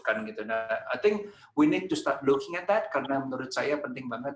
saya pikir kita harus berhenti melihat itu karena menurut saya penting banget